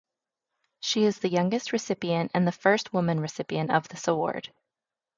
She is the youngest recipient and the first woman recipient of this award.